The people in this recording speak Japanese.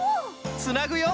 つなぐよ！